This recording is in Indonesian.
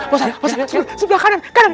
ustadz ustadz sebelah kanan kanan kanan